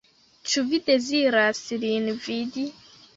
Ĉu vi deziras lin vidi?